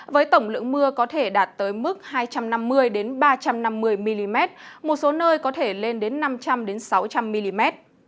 với tổng lượng mưa có thể đạt tới mức hai trăm năm mươi ba trăm năm mươi mm một số nơi có thể lên đến năm trăm linh sáu trăm linh mm